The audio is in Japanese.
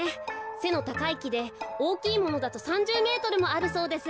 せのたかいきでおおきいものだと３０メートルもあるそうです。